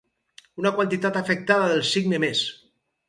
Una quantitat afectada del signe més.